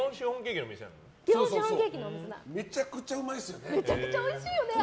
めちゃくちゃうまいですよね。